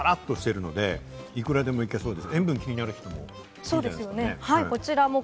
すごく濃度がね、さらっとしているので、いくらでもいけそうです。